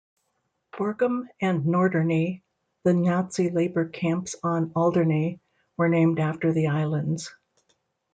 Borkum and Norderney, the Nazi labour camps on Alderney, were named after the islands.